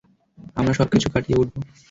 আমরা সবকিছু কাটিয়ে উঠবো।